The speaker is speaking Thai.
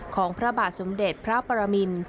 ของพระบาทสมเด็จพระปรมิน